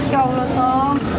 ya allah tong